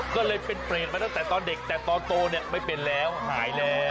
ก็เลยเป็นเปรตมาตั้งแต่ตอนเด็กแต่ตอนโตเนี่ยไม่เป็นแล้วหายแล้ว